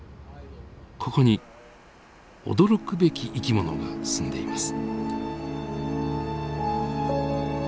ここに驚くべき生き物が住んでいます。